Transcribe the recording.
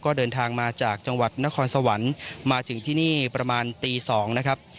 ก็เดินทางมาจากจังหวัดนครสวรรค์มาถึงที่นี่ประมาณตี๒นะครับ